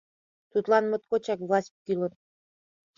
Тудлан моткочак власть кӱлын.